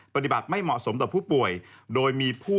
ปฏิบัติไม่เหมาะสมต่อผู้ป่วย